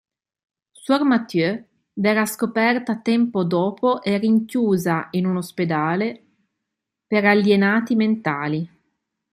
Suor Mathieu verrà scoperta tempo dopo e rinchiusa in un ospedale per alienati mentali.